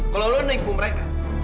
kalau lo nipu mereka